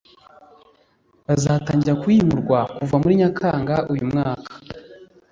bazatangira kuhimurwa kuva muri Nyakanga uyu mwaka.